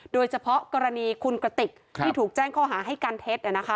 โดยเฉพาะกรณีคุณกระติกที่ถูกแจ้งข้อหาให้การเท็จ